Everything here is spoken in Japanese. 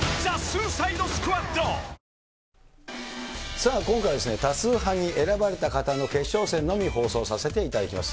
さあ、今回は多数派に選ばれた方の決勝戦のみ放送させていただきます。